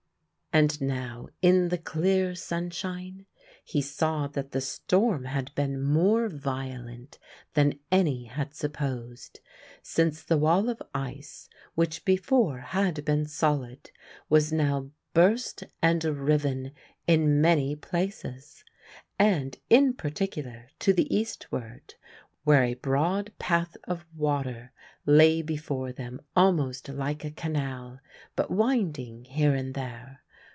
And now in the clear sunshine he saw that the storm had been more violent than any had supposed; since the wall of ice, which before had been solid, was now burst and riven in many places, and in particular to the eastward, where a broad path of water lay before them almost like a canal, but winding here and there.